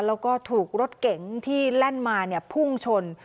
แล้วก็ถูกรถเก๋งที่แล่นมาพุ่งชน